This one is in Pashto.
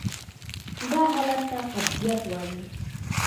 دا حالت ته قبضیت وایې.